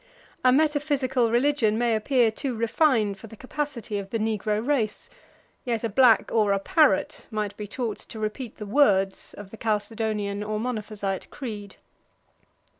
A metaphysical religion may appear too refined for the capacity of the negro race: yet a black or a parrot might be taught to repeat the words of the Chalcedonian or Monophysite creed.